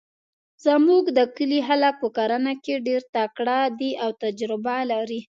زموږ د کلي خلک په کرنه کې ډیرتکړه ده او تجربه لري